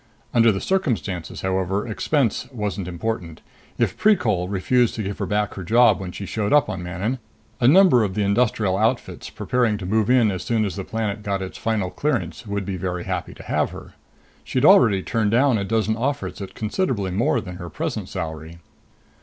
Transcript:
Under the circumstances, however, expense wasn't important. If Precol refused to give her back her job when she showed up on Manon, a number of the industrial outfits preparing to move in as soon as the plant got its final clearance would be very happy to have her. She'd already turned down a dozen offers at considerably more than her present salary.